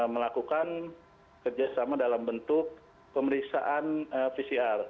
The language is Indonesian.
melakukan kerja sama dalam bentuk pemeriksaan pcr